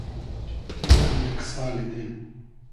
ام یئگ سالی دیل